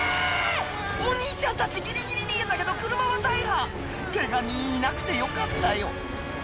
お兄ちゃんたちギリギリ逃げたけど車は大破ケガ人いなくてよかったよ